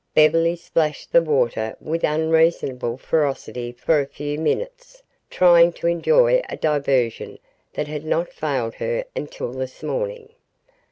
Beverly splashed the water with unreasonable ferocity for a few minutes, trying to enjoy a diversion that had not failed her until this morning.